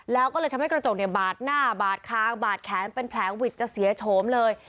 แล้วก็เลยทำให้กระจกเนี่ยบาดหน้าบาดคางบาดแขนเป็นแผลหวิดจะเสียโฉมเลย